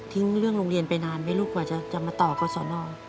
เรื่องโรงเรียนไปนานไหมลูกกว่าจะมาต่อกรสน